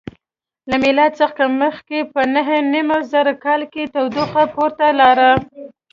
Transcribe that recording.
له میلاد څخه مخکې په نهه نیم زره کال کې تودوخه پورته لاړه.